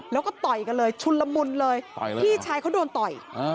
แล้วก็ต่อยกันเลยชุนละมุนเลยพี่ชายเขาโดนต่อย